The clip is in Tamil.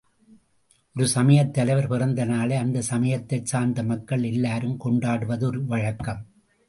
ஒரு சமயத் தலைவர் பிறந்த நாளை அந்தச் சமயத்தைச் சார்ந்த மக்கள் எல்லாரும் கொண்டாடுவது ஒரு வழக்கம்.